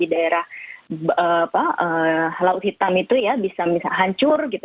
daerah laut hitam itu ya bisa hancur gitu